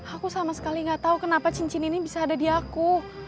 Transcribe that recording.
aku sama sekali nggak tahu kenapa cincin ini bisa ada di aku